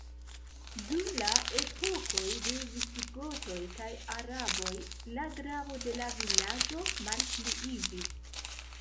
Dum la epokoj de visigotoj kaj araboj, la gravo de la vilaĝo malpliiĝis.